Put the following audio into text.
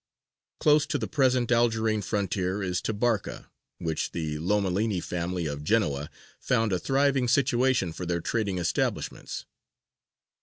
Close to the present Algerine frontier is Tabarka, which the Lomellini family of Genoa found a thriving situation for their trading establishments.